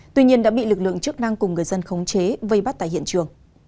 tuy nhiên đã bị lực lượng chức năng cùng người dân khống chế vây bắt tại hiện trường